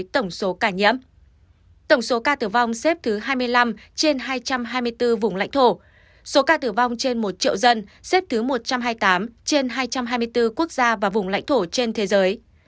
tổng số ca nhiễm xếp thứ hai mươi năm trên hai trăm hai mươi bốn vùng lãnh thổ số ca tử vong trên một triệu dân xếp thứ một trăm hai mươi tám trên hai trăm hai mươi bốn quốc gia và vùng lãnh thổ trên thế giới